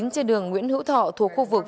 trên đường nguyễn hữu thọ thuộc khu vực